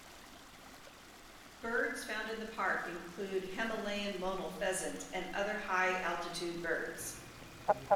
Birds found in the park include Himalayan monal pheasant and other high altitude birds.